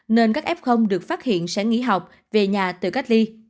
nên các f được phát hiện sẽ nghỉ học về nhà tự cách ly